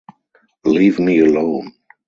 Leave me alone.